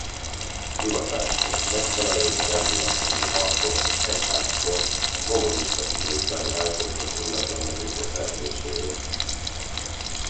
Hivatásának megfelelően rendületlenül harcolt az egyháztól a kommunista időkben elkobzott ingatlanok visszaszerzéséért.